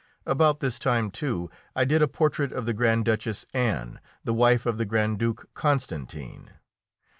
About this time, too, I did a portrait of the Grand Duchess Anne, the wife of the Grand Duke Constantine.